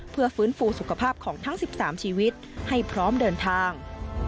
เพื่อฟื้นฟูสุขภาพของทั้ง๑๓ชีวิตให้พร้อมเดินทาง